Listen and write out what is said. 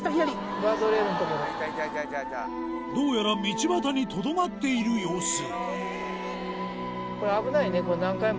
どうやら道端にとどまっている様子